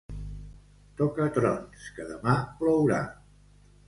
Toca trons, que demà plourà!